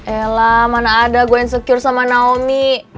ella mana ada gue insecure sama naomi